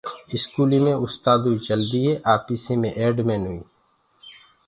اسڪوليٚ مي استآدوئي چلديٚ هي آپيسيٚ مي ايڊ مينوئيٚ